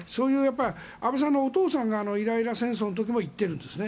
安倍さんのお父さんがイライラ戦争の時も行っているんですね。